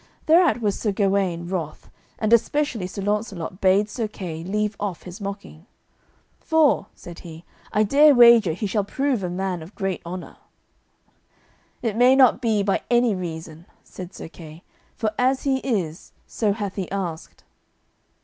Thereat was Sir Gawaine wroth, and especially Sir Launcelot bade Sir Kay leave off his mocking, "for," said he, "I dare wager he shall prove a man of great honour." "It may not be by any reason," said Sir Kay, "for as he is, so hath he asked."